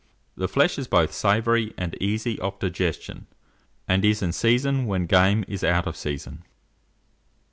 The flesh is both savoury and easy of digestion, and is in season when game is out of season.